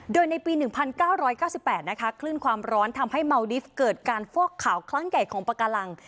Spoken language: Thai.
โดยในปีหนึ่งพันเก้าร้อยเก้าสิบแปดนะคะคลื่นความร้อนทำให้เมาดิฟต์เกิดการฟอกข่าวคลั้งแก่ของประกาฬัง